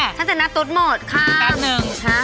ช่างแต่งหน้าตุ๊ดหมดค่ะ